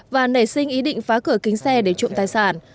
và nảy sinh ý định phá cửa kính xe để trộm tài sản